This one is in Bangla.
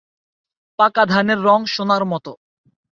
পাকা ধানের রং সােনার মতাে।